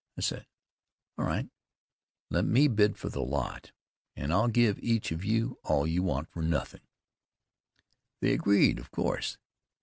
I said: "All right, let me bid for the lot, and I'll give each of you all you want for nothin'." They agreed, of course.